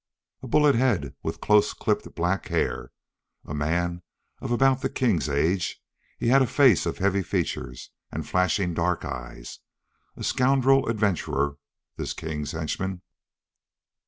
A bullet head with close clipped black hair. A man of about the king's age, he had a face of heavy features, and flashing dark eyes. A scoundrel adventurer, this king's henchman.